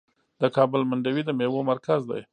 د کابل منډوي د میوو مرکز دی.